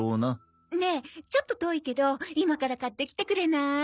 ねえちょっと遠いけど今から買ってきてくれない？